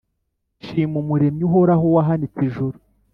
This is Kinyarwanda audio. Nshima umuremyi uhoraho wahanitse ijuru